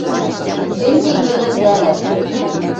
Тӹнь йӹнгӹлӹм нӓлӓт.